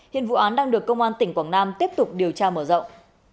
hiện vụ án đang được công an tỉnh quảng nam tiếp tục điều tra mở rộng